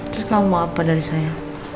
terus kamu apa dari saya